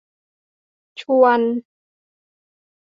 ชวน